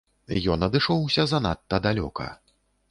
Ён адышоўся занадта далёка.